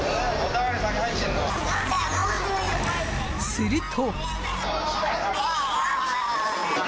すると。